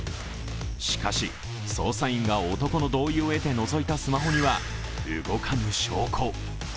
しかし、捜査員が男の同意を得てのぞいたスマホには動かぬ証拠。